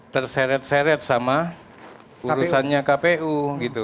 terseret seret sama urusannya kpu